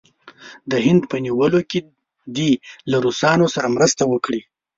د هند په نیولو کې دې له روسانو سره مرسته وکړي.